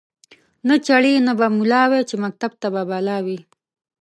نه چړي نه به مُلا وی چي مکتب ته به بلا وي